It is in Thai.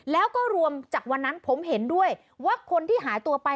แล้วก็รวมจากวันนั้นผมเห็นด้วยว่าคนที่หายตัวไป